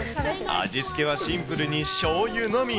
味付けはシンプルにしょうゆのみ。